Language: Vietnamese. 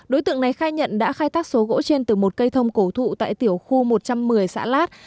đối tượng này khai nhận đã khai thác số gỗ trên từ một cây thông cổ thụ tại tiểu khu một trăm một mươi xã lát